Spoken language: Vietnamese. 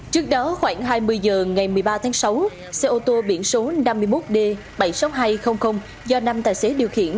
trước đó khoảng hai mươi h ngày một mươi ba tháng sáu xe ô tô biển số năm mươi một d bảy mươi sáu nghìn hai trăm linh do năm tài xế điều khiển